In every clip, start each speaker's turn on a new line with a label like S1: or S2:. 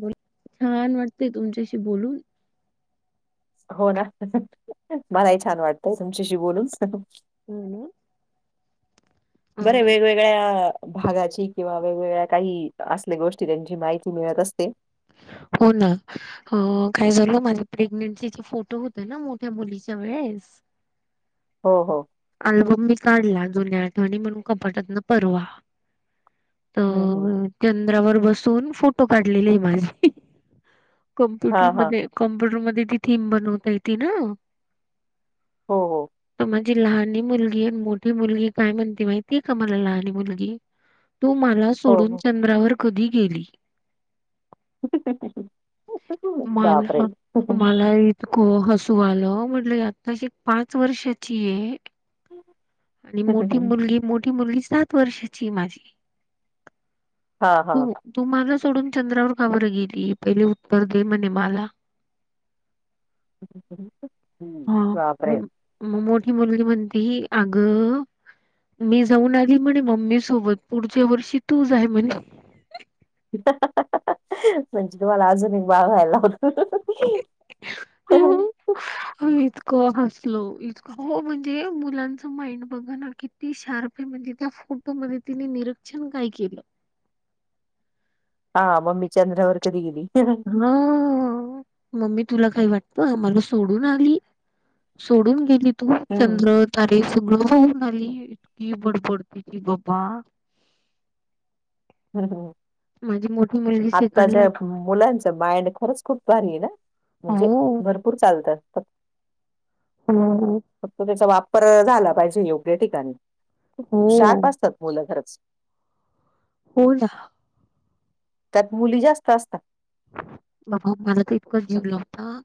S1: बोल छान वाटतेय तुमच्याशी बोलून
S2: होना मलाही छान वाटतय तुझ्याशी बोलून
S1: हु हु
S2: बरे वेळ वेळ वेगळ्या भागाची किंवा वेगवेगळ्या काही असल्या गोष्टी त्यांची माहिती मिळत असते
S1: होना अ काय झालं माझ्या प्रेग्नेन्सीचे फोटो होत्या ना मोठ्या मुलीच्या वेळेस
S2: हो हो
S1: अल्बम मी काढला जुन्या आठवणी म्हणून कपाटातन परवा
S2: हम् हम्
S1: तर चंद्रावर बसून फोटो काढलेले आहे माझी कम्प्युटर
S2: हां, हां.
S1: मध्ये कम्प्युटरमध्ये ती थीम बनवता ये त ना
S2: हो हो
S1: त माझी लहान मुलगी आणि मोठी मुलगी काय म्हणते माहितीय का मला लहान मुलगी तू मला
S2: हो,
S1: सोडून
S2: हो.
S1: चंद्रावर कधी गेली
S2: बापरे!
S1: मला मलाही क हसू आलं म्हटलं आताशी पाच वर्षाची ऐ आणि मोठी मुलगी मोठी मुलगी सात वर्षाची आहे माझी
S2: हां हां
S1: तू तू मला सोडून चंद्रावर काबर गेली पहिले उत्तर दे म्हणे मला
S2: हु
S1: हा
S2: बापरे
S1: मग मग मोठी मुलगी म्हणते ही अगं मी जाऊन आधी म्हणे मम्मी सोबत पुढच्या वर्षी तू जा आहे म्हणे
S2: म्हणजे तुम्हाला अजूनून बागयलावरत होते हां ह
S1: इतक हसलो इतक हो म्हणजे मुलांच माइंड बघा ना किती शार्प आहे, म्हणजे त्या फोटोमध्ये तिने नि रीक्षण काय केलं.
S2: हा मम्मी चंद्रावर कधी गेली?
S1: हं हं मम्मी तुला काही वाटतं मला सोडून आली. सोडून गेलीत. तू
S2: हं,
S1: चंद्र तारे सगळं बघून आली, इतकी बडबडती की बाबा
S2: [unintelligible]
S1: माझी मोठी मुलगी सेकंडला
S2: मुलांच माईंड खरंच खूप भारी आहे ना, म्हणजे
S1: हो
S2: भरपूर चालतात फक्
S1: हो हो.
S2: फक्त त्याचा वापर झाला पाहिजे योग्य ठिकाणी, खूप
S1: हो
S2: शार्प असतात मुलं खरंच.
S1: हो ना.
S2: त्यात मुली जास्त असतात.
S1: बघा मला तर [unintelligible] होता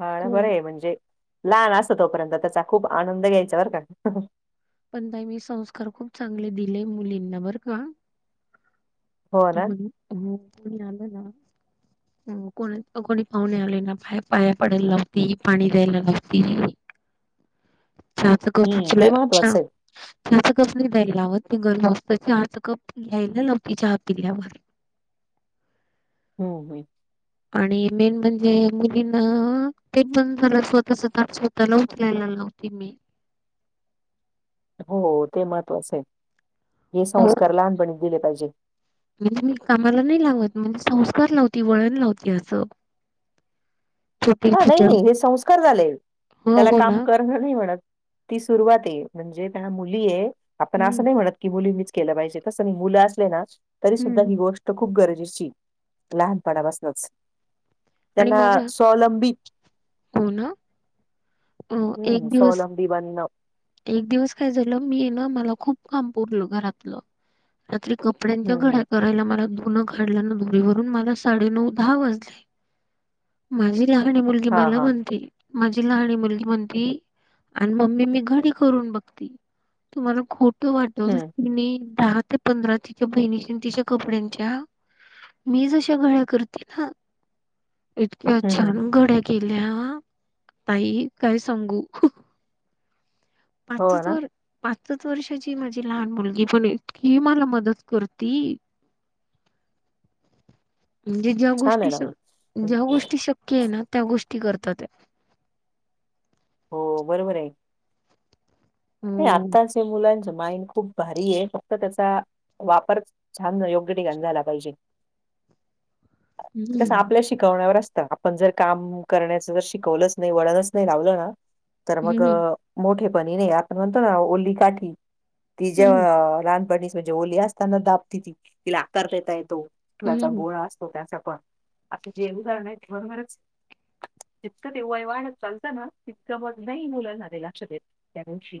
S2: हा ना बरं
S1: खूप
S2: आहे म्हणजे, लहान असतं तोपर्यंत त्याचा खूप आनंद घ्यायचा बर का.
S1: पण ताई मी संस्कार खूप चांगले दिले मुलींना बरं का.
S2: हो ना.
S1: [unintelligible] कुणी आलं ना कोणी अं कोणी पाहुणे आले ना, बाहेर पाया पडायला लावती, पाणी द्यायला लावती. [unintelligible] चहाचा कप
S2: हम्म ते महत्त्वाचं आहे.
S1: नाही द्यायला लावत ते गरम असतं चहाचा कप घ्यायला लावती चहा पिल्यावर.
S2: हो हो.
S1: आणि मेन म्हणजे मुलींना ते बंद झालं स्वतःच [unintelligible] [unintelligible] लावते मी.
S2: हो ते महत्वाचं आहे, हे
S1: हो
S2: संस्कार लहानपणी दिले पाहिजेत.
S1: म्हणजे मी कामाला नाही लावत, म्हणजे संस्कार लावती वळण लावती असं. छोटे
S2: हा
S1: छोटे
S2: नाही हे संस्कार झाले,
S1: हो
S2: त्याला
S1: हो ना
S2: काम कर [unintelligible] नाही म्हणत, ही सुरुवाते. म्हणजे ना मुली आहेत, आपण
S1: हम्म
S2: असं नाही म्हणत की मुलींनीच केलं पाहिजे. तसही मुलं असले ना तरी सुद्धा
S1: हम्म
S2: ही गोष् ट तर खूप गरजेची लहानपणापासनच.
S1: आणि माझ्या हो ना, अ
S2: हम्म
S1: एक दिवस
S2: स्वावलंबी बनणं
S1: एक दिवस काय झालं, मी आहे ना मला खूप काम पुरलं घरातलं. रात्री कपड्यांच्या
S2: हम्म हम्म
S1: घड्या करायला मला धुनं काडला ना दोरीवरून मला साडेनऊ दहा वाजले. माझी लहाणी मुलगी
S2: हा
S1: मला
S2: हा
S1: म्हणती माझी लहाणी मुलगी म्हणती, आण मम्मी मी घडी करून बघती. तुम्हा खोटं वाटलं,
S2: हम्म
S1: मीनं दहा ते पंधरा तिच्या बहिणीच्या आणि तिच्या कपड्यांच्या मी जशा घड्या करते ना इतक्या
S2: हम्म हम्म
S1: छान घड्या केल्या, बाई काय सांगू.
S2: हो
S1: पाचच
S2: ना
S1: वर् पाचच वर्षाची आहे माझी लहान मुलगी, पण इतकी मला मदत करती म्हणजे ज्या
S2: छान आहे
S1: गोष्टी
S2: ना
S1: शक्
S2: मग
S1: ज्या गोष्टी शक्य आहे ना, त्या गोष्टी करतात या.
S2: हो बरोबर आहे. ते
S1: हो
S2: आत्ताच मुलांच माइंड खूप भारी आहे फक्त त्याचा वापर छान योग्य ठिकाणी झाला पाहिजे. कसं
S1: हम्म
S2: आपल्या शिकवण्यावर असतं. पण जर काम करण्याच शिकवलंच नाही वळणच नाही लावलं ना तर मग,
S1: हम्म
S2: मोठेपणी नाही आपण म्हणतो ना ओली काठी ती
S1: हम्म
S2: जेव्हा लहानपणी म्हजे ओली असताना दाबति ती तिला आकार देता येतो चीकलाचा गोळा असतो त्याचा पण, आता जे उदारण ठेव मननारच [inaudible] जितकं ते वय वाढत चालतं ना तितकं मग नाही मुलं झाले लक्ष देत त्या दिवशी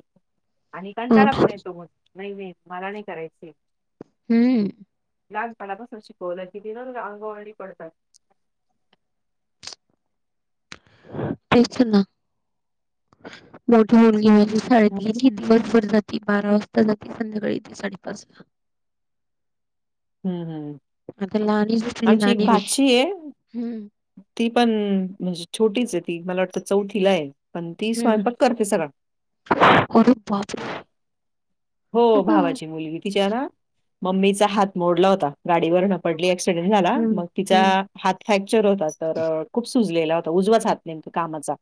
S2: आणि कंटाळा
S1: हम्म
S2: पण येतो मग नाही नाही मला नाही करायच.
S1: हम्म
S2: लहानपणापासून शिकवलं कीती ना अंगवळणी पडतात.
S1: तेच ना मोठी मुलगी ती शाळेत कधी
S2: हम्म
S1: पण जाती दिवसभर जाते बारा वाजता जाते संध्याकाळी येते साडेपाच ला.
S2: हम्म.
S1: आता लहणीच
S2: आमची
S1: दुसरीला
S2: एक
S1: लणी
S2: भाची आहे.
S1: हम्म
S2: ती पण म्हणजे छोटीच आहे ती मला वाटतं चौथीला आहे पण ती
S1: हम्म
S2: स्वयंपक करते सगळा.
S1: अरे बापरे!
S2: हो
S1: कुठं
S2: भावाची मुलगी तिच्या ना मम्मीचा हात मोडला होता गाडीवर नं. पडली एक्सिडेंट झाला
S1: हम्म
S2: मग तिचा
S1: हम्म
S2: हात फ्रॅक्चर होता तर खूप सुजलेला होता उजवाच हात नेमकी कामाचा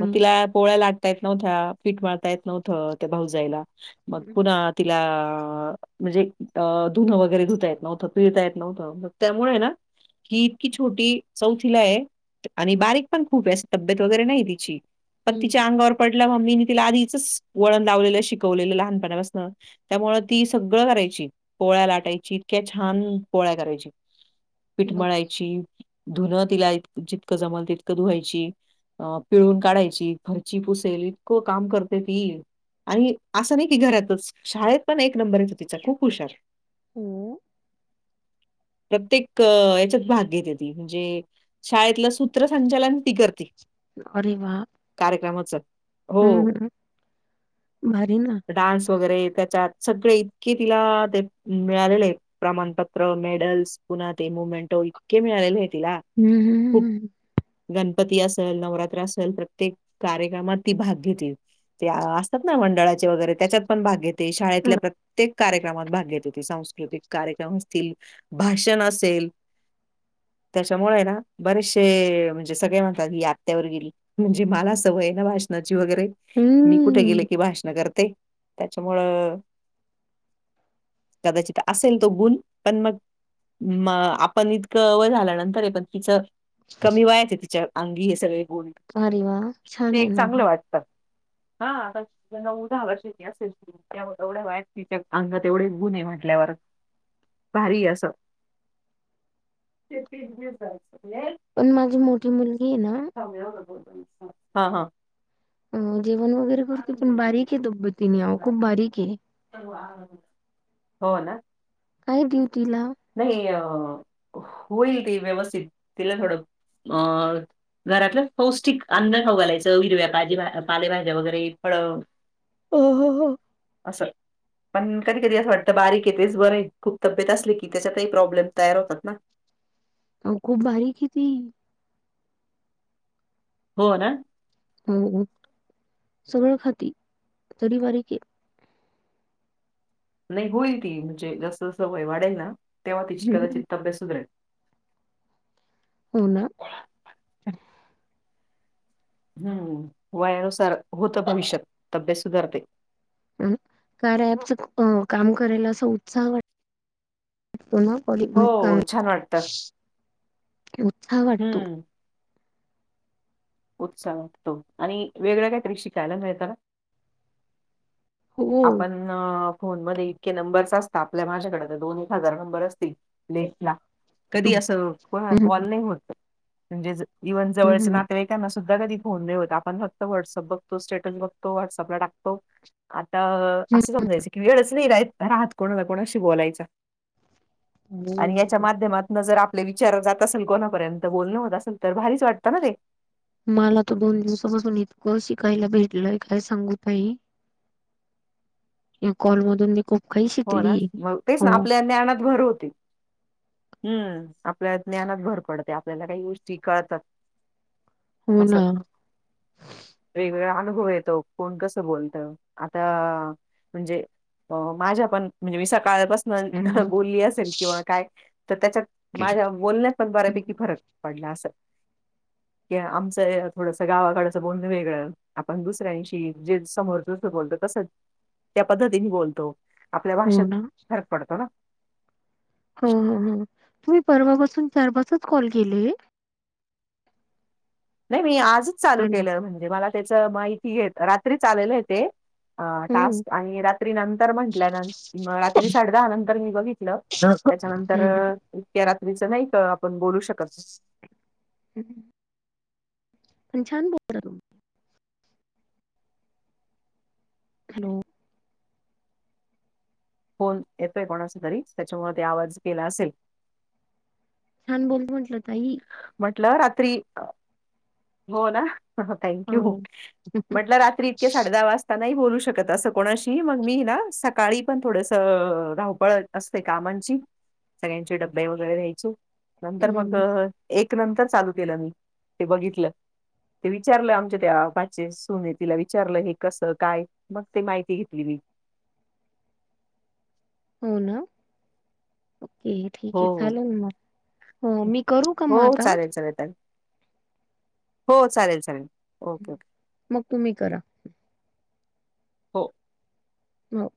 S2: मग तीला पोळ्या लाटता येत नव्हत्या पिट मळता येत नव्हतं त्या भावजईला. मग पुन्हा तिला. म्हणजे अ धुनं वगैरे धुता येत नव्हतं पिळता येत नव्हतं त्यामुळे ना. ती इतकी छोटी चौथीला ये. आणि बारीक पण खूप आहे अशी तब्येत वगैरे नाही तिची. पण
S1: हम्म
S2: तिच्या अंगावर पडलं मम्मीनी तिला आधीच वळण लावलेलं शिकवलेलं लहानपणापासन. त्यामुळं ती सगळं करायची पोळ्या लाटायची इतक्या छान पोळ्या करायची.
S1: बापरे
S2: पिठमळायची धुनं तिला जितक जमल तितकं धुवायची. अ पिळून काढायची फरची पुसेल इतकं काम करते ती आणि असं नाही. ही घरातच शाळेत पण एक नंबर यायचा तिचा खूप हुशार.
S1: हो [inaudible]
S2: प्रत्येक यांच्यात भाग घेतो ती म्हणजे शाळेत कसं. सूत्रसंचालन ती करती
S1: अरे वा
S2: कार्यक्रमाच-
S1: हम्म ह भारी ना.
S2: डान्स वगैरे त्याच्यात सगळे इतके तिला ते मिळालेले आहेत. प्रमाणपत्र मेडल्स पुन्हा ते मुवमेंट इतके मिळालेले आहेत तला.
S1: हम्म हम्म
S2: हो [inaudible] गणपती असल नवरात्र असल प्रत्येक कार्यक्रमात ती भाग घेतील ते असतात ना मंडळाचे वगैरे त्याच्यात पण भाग घेते
S1: हम्म
S2: शाळेतल्या प्रत्येक कार्यक्रमात भाग घेत होती सांस्कृतिक कार्यक्रम असतील भाषण असेल. त्यांच्यामुळे ना बरेचसे म्हणजे सगळे म्हणतात ही आत्यावर गेली. म्हणजे मला सवय ना भाषणाची वगैरे मी कुठे गेले
S1: हम्म
S2: की भाषण करते. ते त्याच्यामुळं कदाचित असेल तो गुण पण मग म आपण इतकं वय झाल्या नंतर आहे पण तिचं कमी वयाचे तिच्या अंगी हे सगळे गोन
S1: अरे व्हा, छान हे ना
S2: हं [unintelligible] दहा वर्षाची असेल, एवढ्या वायाट तिच्या अंगात एवढे गुण आहे म्हटल्यावर भारी अस
S1: पण माझी मोठी मुलगी आहे ना
S2: [unintelligible] हा हा
S1: अ जेवण वगैरे करते पण बारीक आहे तब्यतीने आहो खूप बारीक आहे
S2: [unintelligible] हो ना,
S1: आई खिडकी लाव
S2: नाही अ होईल ती व्यवस्थित तिला थोडं अ घरातलं पौष्टिक अन्न खाऊ घालायचं, हिरव्या ताजी भाजी पालेभाज्या वगैरे फळ
S1: हो हो हो
S2: असल पण कधी कधी असं वाटतं बारीक आहे तेच बरं आहे, खूप तब्येत असले की त्याच्यात ही प्रॉब्लेम तयार होतात ना.
S1: अओ खूप बारीक हे ती,
S2: हो ना
S1: हो सगळं खाती, तरी बारीक हे.
S2: नाही होईल ती, म्हणजे जसं जसं वय वाढेल ना, तेव्हा
S1: आहे
S2: तिची कदाचित तब्येत सुधरेल.
S1: होना
S2: हम्म वयानुसार होत, भविष्यात तब्येत सुधारते.
S1: अ आर्याऍपच खुप अ काम करायला असा उत्साह
S2: हो छान वाटतं
S1: [unintelligible]
S2: हम्म उत्साह वाटतो आणि वेगळ्या कायतरी शिकायला मिळता
S1: हो
S2: आपण अ फोन मध्ये इतके नंबर असतात, आपल्या माझ्याकडे दोन एक हजार नंबर असतील [unintelligible] कधी
S1: हम्म,
S2: असं, कोनाला
S1: हम्म,
S2: कॉल नाही होत, म्हणजे इव्हन जवळचे
S1: हम्म.
S2: नातवाईक त्यांना सुध कधी फोन नाही होत, आपण फक्त व्हॉट्सअ बघतो, स्टेटस बघतो, व्हटसअपला टाकतो. अ असं समजायचं की, वेळच नाही राहत कोणा कोणाशी बोलायचा आणि याच्या माध्यमात न जर आपले विचार जात असेल कोणापर्यंत बोलण होत असेल तर भारीच वाटतं ना ते.
S1: मला तो दोन दिवसापासून इतकं शिकायला भेटलय, काय सांगू ताई, कॉल मधून मी खूप काही
S2: हो
S1: शिकली
S2: ना मग तेच
S1: हो
S2: ना आपल्या ज्ञानात भर होती हम्म आपल्या ज्ञानात भर पडते आपल्याला काही गोष्टी कळतात.
S1: हो
S2: अस
S1: ना
S2: वेगवेगळा अनुभव येतो कोण कसं बोलत, आता म्हणजे अ माझ्या पण म्हणजे मी सकाळपास
S1: हम्म.
S2: बोलली असेल किंवा काय तर त्याच्यात माझ्या बोलण्यात पण बऱ्यापैकी फरक पडलं अस की आमचं थोडस गावाकडच बोलन वेगळं आपण दुसऱ्यांशी जे समोर जस बोलतो तसं त्या पद्धतीने बोलतो आपल्या
S1: हो
S2: भाषेत
S1: ना
S2: फरक पडतो ना
S1: हो हो हो मी परवापसून चार पाच कॉल केले
S2: नाही मी आजच चालू
S1: अरे वा.
S2: केलं, म्हणजे मला त्याच माहिती रात्री आलेलं हे ते अ
S1: हम्म
S2: टास्क आणि रात्री नंतर म्हटल्यान,, म रात्री साडे दहा नंतर मी बघितलं. त्याच्यानंतर,
S1: हम्म
S2: इतक्या रात्रीच नाही का आपण बोलू शकत.
S1: हं [unintelligible] छान बोलत हॅलो!
S2: फोन येतोय कोणाचा तरी, त्याच्यामुळे ते आवाज गेला असेल.
S1: छान बोलत म्हटलं ताई
S2: म्हटलं रात्री, हो ना हं थँक्यू,,,
S1: हो.
S2: म्हटलं रात्री इतके साडे दहा वाज नाही बोलू शकत असं कोणाशी, मग मी ना सकाळी पण थोडसं धावपळ असते कामांची,, सगळ्यांची डब्बे वगैरे द्यायचे,, नंतर मग
S1: हम्म.
S2: एक नंतर चालू केलं मी, ते बघितलं. ते विचारलं आमच्या त्या बाचे सुने, तिला विचारलं हे कसं काय मग ते माहिती घेतली मी.
S1: हो ना, ओके. ठीक
S2: हो
S1: आहे चालेल मग,, हो मी करू का मग आता.
S2: चल येता हो चालेल चालेल, ओके ओके.
S1: मग तुम्ही करा.
S2: हो.
S1: हो.